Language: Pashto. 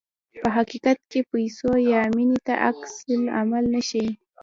په حقیقت کې پیسو یا مینې ته عکس العمل نه ښيي.